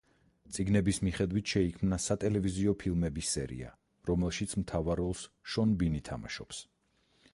წიგნების მიხედვით შეიქმნა სატელევიზიო ფილმების სერია, რომელშიც მთავარ როლს შონ ბინი თამაშობს.